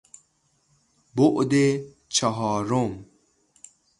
بعد چهارم